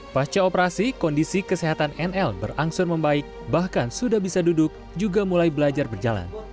pasca operasi kondisi kesehatan nl berangsur membaik bahkan sudah bisa duduk juga mulai belajar berjalan